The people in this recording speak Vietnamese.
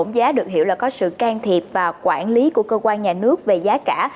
giá được hiểu là có sự can thiệp và quản lý của cơ quan nhà nước về giá cả